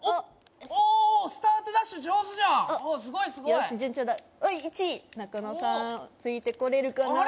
おおスタートダッシュ上手じゃんすごいすごいよし順調だお１位中野さんついてこれるかな